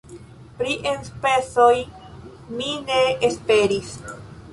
Pri enspezoj mi ne esperis.